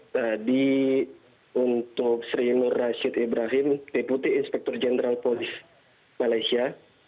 tadi untuk serino rashid ibrahim deputi inspektur jenderal polis malaysia